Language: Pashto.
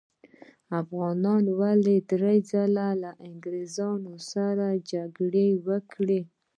افغانانو ولې درې ځلې له انګریزانو سره جګړې وکړې؟